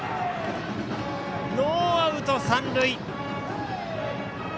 ノーアウト、三塁。